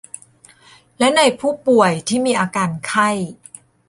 และในผู้ป่วยที่มีอาการไข้